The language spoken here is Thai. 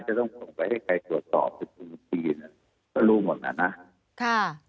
จะต้องลงไปให้ใครส่วนต่อปฏิติกิจก็รู้หมดแล้วนะค่ะ